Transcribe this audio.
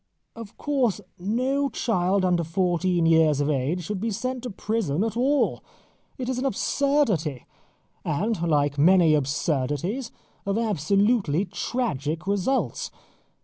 Of course no child under fourteen years of age should be sent to prison at all. It is an absurdity, and, like many absurdities, of absolutely tragic results.